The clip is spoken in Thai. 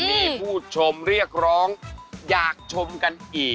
คำร้อนรองกองไปทั่วไพรซี